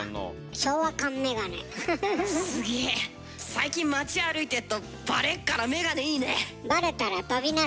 最近町歩いてっとバレっからメガネいいね！